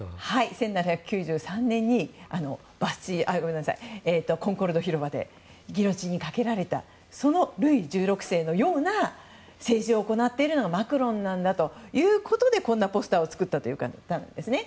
１９７３年にコンコルド広場でギロチンにかけられたそのルイ１６世のような政治を行っているのがマクロンなんだということでこんなポスターを作ったんですね。